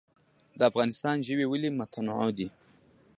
د افغانستان ژوي ولې متنوع دي؟